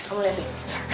kamu liat deh